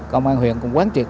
công an huyện cũng quán truyện